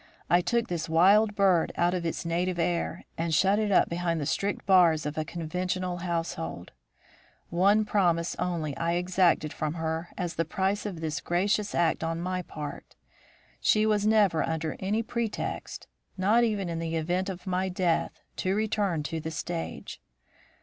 I took this wild bird out of its native air, and shut it up behind the strict bars of a conventional household. One promise only I exacted from her as the price of this gracious act on my part. She was never under any pretext, not even in the event of my death, to return to the stage.